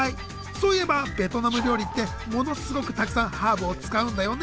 そういえばベトナム料理ってものすごくたくさんハーブを使うんだよね。